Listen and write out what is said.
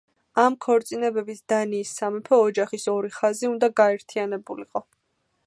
ამ ქორწინებებით დანიის სამეფო ოჯახის ორი ხაზი უნდა გაერთიანებულიყო.